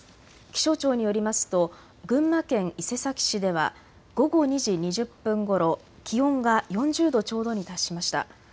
気象庁によりますと群馬県伊勢崎市では午後２時２０分ごろ、気温が４０度ちょうどに達しました。